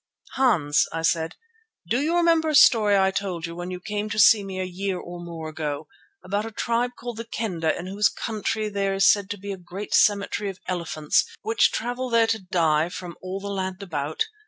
"Hans," I said, "do you remember a story I told you when you came to see me a year or more ago, about a tribe called the Kendah in whose country there is said to be a great cemetery of elephants which travel there to die from all the land about?